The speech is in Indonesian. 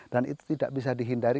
dan itu tidak bisa dihindari